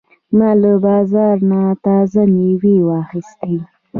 ما له بازار نه تازه مېوې واخیستې.